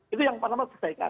itu yang pertama sesuaikan